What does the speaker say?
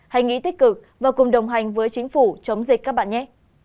hãy nghĩ tích cực và cùng đồng hành với chính phủ chống dịch các bạn nhé